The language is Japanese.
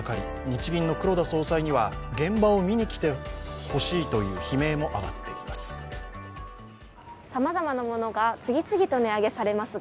日銀の黒田総裁には現場を見に来てほしいという悲鳴も上がっています。